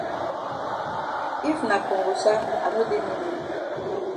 If na kongosa I no dey me dey.